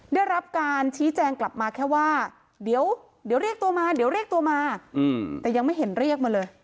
ได้รับการชี้แจงกลับมาแค่ว่าเดี๋ยวเรียกตัวมาแต่ยังไม่เห็นเรียกมาเลย